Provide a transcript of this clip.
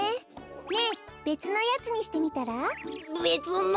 ねえべつのやつにしてみたら？べつの？